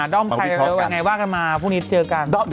ด้อมใครยังไงว่ากันมาพรุ่งนี้เจอกัน